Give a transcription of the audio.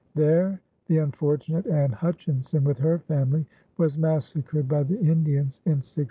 There the unfortunate Anne Hutchinson with her family was massacred by the Indians in 1643.